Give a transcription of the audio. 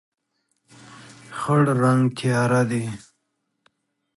خړ رنګ تیاره دی.